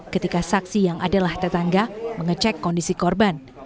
ketika saksi yang adalah tetangga mengecek kondisi korban